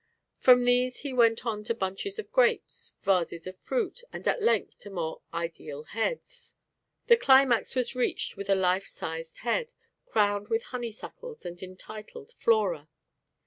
From these he went on to bunches of grapes, vases of fruit and at length to more "Ideal heads." The climax was reached with a life sized Head, crowned with honeysuckles and entitled _"Flora."